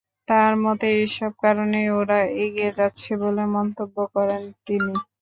তাঁর মতে, এসব কারণেই ওরা এগিয়ে যাচ্ছে বলে মন্তব্য করেন তিনি।